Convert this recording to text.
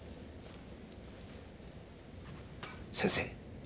先生。